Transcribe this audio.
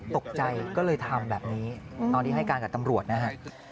ตกใจก็เลยทำแบบนี้ตอนที่ให้การกับตำรวจนะฮะ